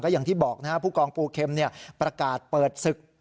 อย่างที่บอกนะครับผู้กองปูเข็มประกาศเปิดศึก